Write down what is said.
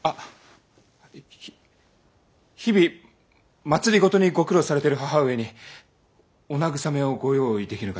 ひ日々政にご苦労されている母上にお慰めをご用意できぬかと。